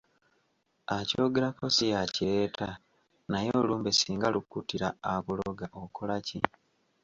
Akyogerako si y'akireeta naye olumbe singa lukuttira akuloga okola ki?